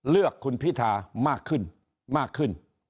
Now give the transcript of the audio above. เลือกคุณพิธามากขึ้นมากขึ้น